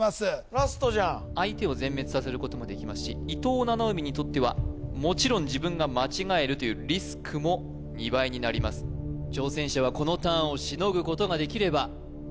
ラストじゃん相手を全滅させることもできますし伊藤七海にとってはもちろん自分が間違えるというリスクも２倍になりますが決まります